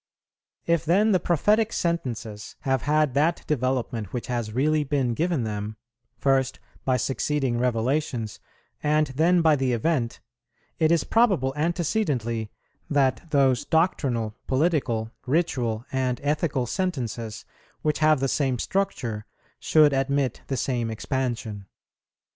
If then the prophetic sentences have had that development which has really been given them, first by succeeding revelations, and then by the event, it is probable antecedently that those doctrinal, political, ritual, and ethical sentences, which have the same structure, should admit the same expansion.